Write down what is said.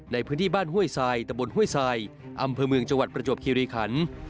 ในพื้นที่บ้านห้วยทรายตะบนห้วยทรายอำเภอเมืองจังหวัดประจวบคิริขัน